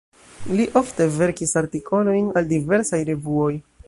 Li ofte verkis artikolojn al diversaj revuoj.